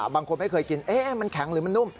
บางคนไม่เคยกินมันแข็งหรือมันนุ่ม